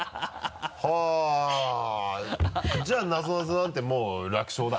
はぁじゃあなぞなぞなんてもう楽勝だ。